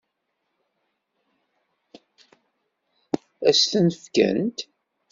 Ad s-ten-fkent?